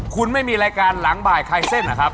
คุณไม่มีรายการหลังบ่ายคลายเส้นเหรอครับ